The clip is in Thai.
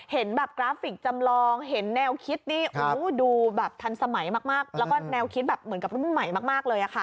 เห็นแบบกราฟิกจำลองเห็นแนวคิดนี่ดูแบบทันสมัยมากแล้วก็แนวคิดแบบเหมือนกับรุ่นใหม่มากเลยค่ะ